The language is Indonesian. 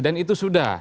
dan itu sudah